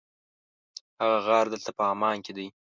هغه غار دلته په عمان کې دی.